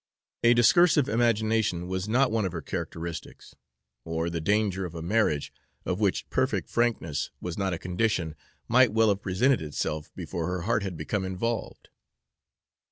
A discursive imagination was not one of her characteristics, or the danger of a marriage of which perfect frankness was not a condition might well have presented itself before her heart had become involved.